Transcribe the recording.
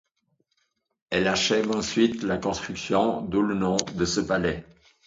Elle achève ensuite la construction - d'où le nom de ce palais.